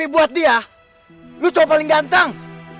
buat dia lu siapa paling ganteng